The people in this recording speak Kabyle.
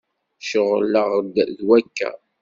Ceɣleɣ-d d wakka.